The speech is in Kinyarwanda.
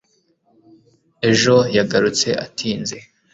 ejo yagarutse atinze